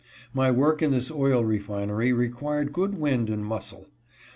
My work in this oil refinery required good wind and muscle.